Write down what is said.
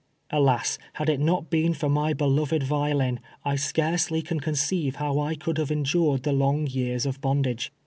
Alas ! had it not been for my beloved violin, I scarce ly can conceive how I could have endured the long yeai s of bondage.